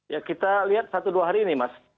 ya kita lihat satu dua hari ini mas